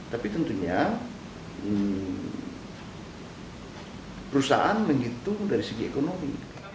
tapi tentunya perusahaan menghitung dari segi ekonomi